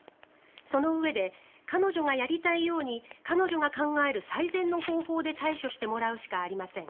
そのうえで彼女がやりたいように彼女が考える最善の方法で対処してもらうしかありません